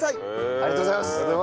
ありがとうございます。